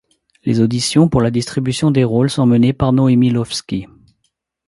Les auditions pour la distribution des rôles sont menées par Noémie Lvovsky.